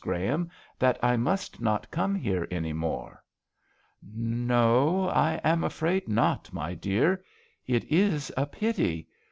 Graham^ that I must not come here any more." " No, I am afraid not, my dear. It is a pity.